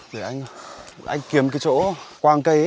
để anh kiếm cái chỗ quang cây